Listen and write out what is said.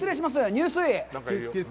入水！